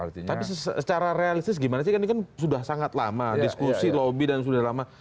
tapi secara realistis gimana sih kan ini kan sudah sangat lama diskusi lobby dan sudah lama